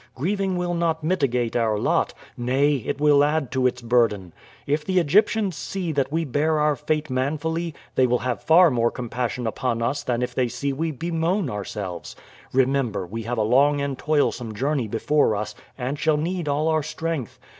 Grieving will not mitigate our lot, nay, it will add to its burden. If the Egyptians see that we bear our fate manfully they will have far more compassion upon us than if they see that we bemoan ourselves. Remember we have a long and toilsome journey before us, and shall need all our strength.